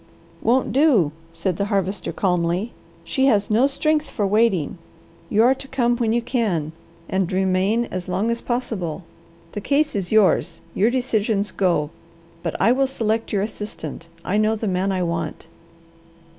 "Won't do!" said the Harvester calmly. "She has no strength for waiting. You are to come when you can, and remain as long as possible. The case is yours; your decisions go, but I will select your assistant. I know the man I want."